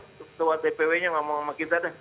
suruh ketua dpw nya ngomong sama kita